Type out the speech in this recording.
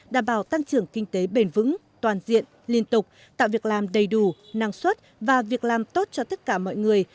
đảm bảo tăng trưởng kinh tế bền vững toàn diện liên tục tạo việc làm đầy đủ năng suất và việc làm tốt cho tất cả mọi người